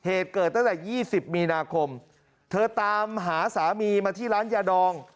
เหตุเกิดตั้งแต่๒๐มีนาคมเธอตามหาสามีมาที่ร้านยาดอง